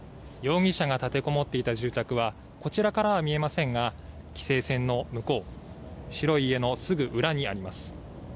容疑者が立てこもっていた住宅はこちらからは見えませんが規制線の向こう白い家のすぐ裏にあります。